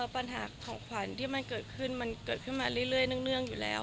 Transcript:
ปัญหาของขวัญที่มันเกิดขึ้นมันเกิดขึ้นมาเรื่อยเนื่องอยู่แล้ว